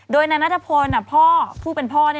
โดยนั้นนัทพนธ์พ่อผู้เป็นพ่อ